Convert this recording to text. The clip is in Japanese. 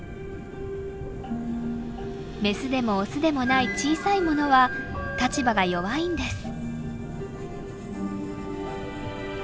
メスでもオスでもない小さいものは立場が弱いんです。